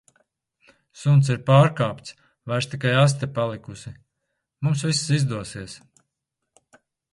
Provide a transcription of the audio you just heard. Suns ir pārkāpts, vairs tik aste palikusi. Mums viss izdosies!